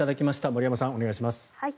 森山さん、お願いします。